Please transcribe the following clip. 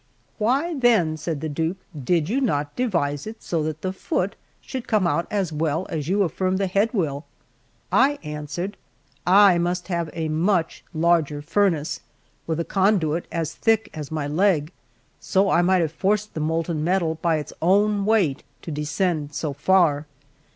"Why, then," said the Duke, "did you not devise it so that the foot should come out as well as you affirm the head will?" I answered: "I must have made a much larger furnace, with a conduit as thick as my leg; and so I might have forced the molten metal by its own weight to descend so far.